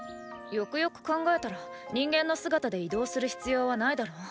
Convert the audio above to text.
よくよく考えたら人間の姿で移動する必要はないだろ？